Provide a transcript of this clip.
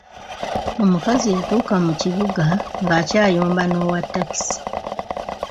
Omukazi yatuuka mu kibuga ng'akyayomba n'owa takisi.